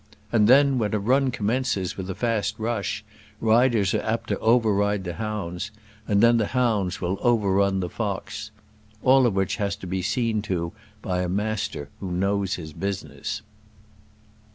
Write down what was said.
And then, when a run commences with a fast rush, riders are apt to over ride the hounds, and then the hounds will over run the fox. All of which has to be seen to by a Master who knows his business.